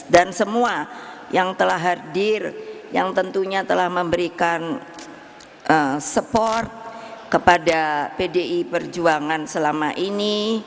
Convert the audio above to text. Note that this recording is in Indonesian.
dan semua yang telah hadir yang tentunya telah memberikan support kepada pdi perjuangan selama ini